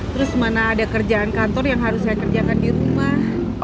terus mana ada kerjaan kantor yang harus saya kerjakan di rumah